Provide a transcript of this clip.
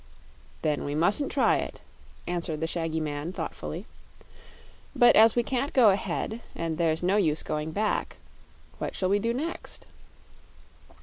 "Then we musn't try it," answered the shaggy man thoughtfully. "But as we can't go ahead and there's no use going back, what shall we do next?"